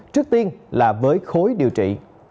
trước tiên là với khối điều trị